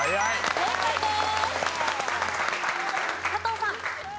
正解です。